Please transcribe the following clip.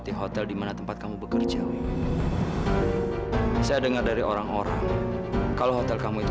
kalau teh tau semua mengenai masalah maya